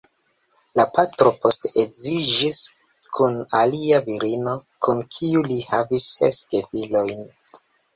La patro poste edziĝis kun alia virino, kun kiu li havis ses gefilojn.